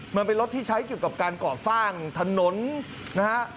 มันเป็นรถที่ใช้เกี่ยวกับการก่อสร้างถนนนะฮะ